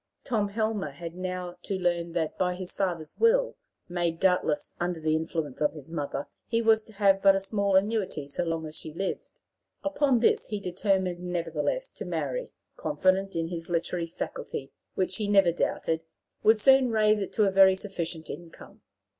Tom Helmer had now to learn that, by his father's will, made doubtless under the influence of his mother, he was to have but a small annuity so long as she lived. Upon this he determined nevertheless to marry, confident in his literary faculty, which, he never doubted, would soon raise it to a very sufficient income.